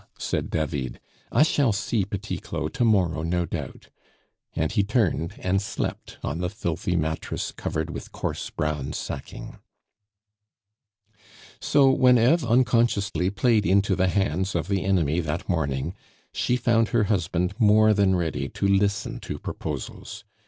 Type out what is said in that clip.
said David; "I shall see Petit Claud to morrow no doubt," and he turned and slept on the filthy mattress covered with coarse brown sacking. So when Eve unconsciously played into the hands of the enemy that morning, she found her husband more than ready to listen to proposals.